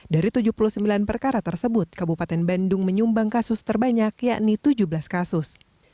dari tujuh puluh sembilan perkara tersebut kabupaten bandung menyumbang kasus terbanyak yakni tujuh belas kasus